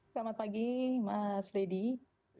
selamat pagi mas freddy